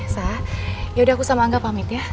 sah yaudah aku sama angga pamit ya